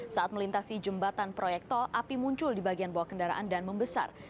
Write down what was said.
saat melintasi jembatan proyek tol api muncul di bagian bawah kendaraan dan membesar